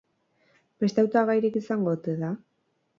Beste hautagairik izango ote da?